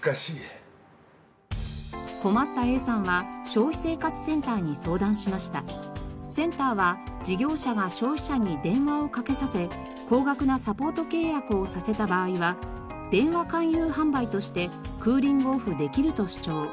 困ったＡさんはセンターは事業者が消費者に電話をかけさせ高額なサポート契約をさせた場合は電話勧誘販売としてクーリング・オフできると主張。